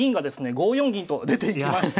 ５四銀と出ていきまして。